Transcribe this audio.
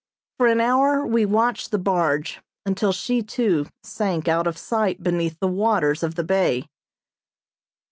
For an hour we watched the barge, until, she too, sank out of sight beneath the waters of the bay.